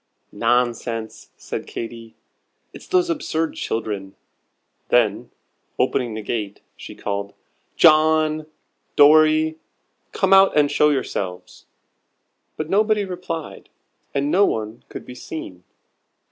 "Nonsense," said Katy, "it's those absurd children." Then, opening the gate, she called: "John! Dorry! come out and show yourselves." But nobody replied, and no one could be seen.